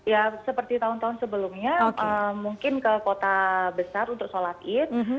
ya seperti tahun tahun sebelumnya mungkin ke kota besar untuk sholat id